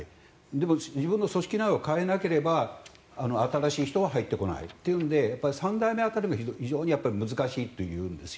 でも自分の組織内を変えないと新しい人は入ってこないので３代目辺りが一番難しいというんです。